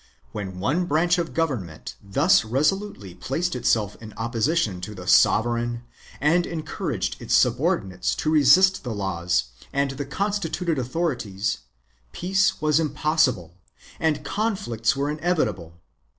When one branch of the government thus resolutely placed itself in opposition to the sov ereign and encouraged its subordinates to resist the laws and the constituted authorities, peace was impossible and conflicts were inevitable.